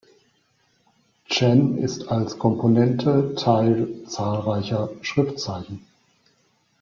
臣 ist als Komponente Teil zahlreicher Schriftzeichen.